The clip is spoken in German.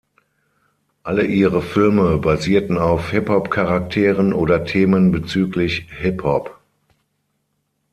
Alle ihre Filme basierten auf Hip-Hop Charakteren oder Themen bezüglich Hip-Hop.